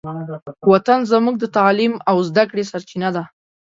وطن زموږ د تعلیم او زدهکړې سرچینه ده.